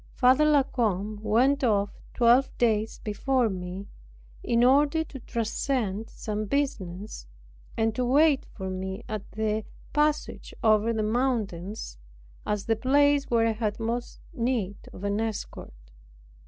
Father La Combe went off twelve days before me, in order to transact some business, and to wait for me at the passage over the mountains, as the place where I had most need of an escort.